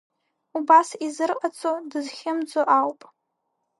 Убас изырҟаҵо дызхьымӡо ауп.